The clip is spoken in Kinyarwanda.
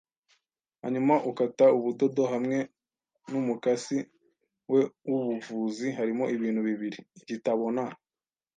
hanyuma ukate ubudodo hamwe numukasi we wubuvuzi. Harimo ibintu bibiri - igitabo na